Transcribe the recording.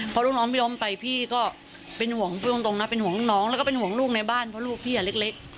พอลูกน้องพี่ล้มไปพี่ก็เป็นห่วงพูดตรงนะเป็นห่วงลูกน้องแล้วก็เป็นห่วงลูกในบ้านเพราะลูกพี่เล็ก